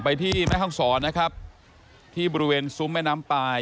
ที่แม่ห้องศรนะครับที่บริเวณซุ้มแม่น้ำปลาย